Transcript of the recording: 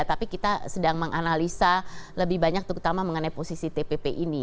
tapi kita sedang menganalisa lebih banyak terutama mengenai posisi tpp ini